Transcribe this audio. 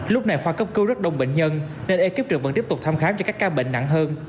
lúc này khoa cấp cứu rất đông bệnh nhân nên ekip trưởng vẫn tiếp tục thăm khám cho các ca bệnh nặng hơn